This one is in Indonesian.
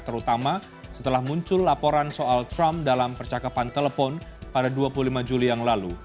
terutama setelah muncul laporan soal trump dalam percakapan telepon pada dua puluh lima juli yang lalu